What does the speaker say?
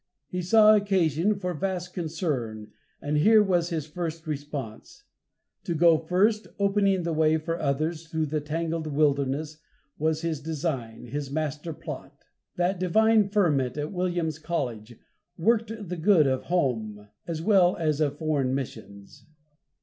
He saw occasion for vast concern, and here was his first response. To go first, opening the way for others through the tangled wilderness, was his design, his master plot. That "divine ferment" at Williams College worked the good of home, as well as of foreign, missions.